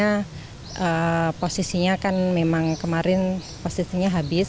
karena posisinya kan memang kemarin posisinya habis